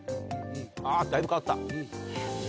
あぁだいぶ変わった。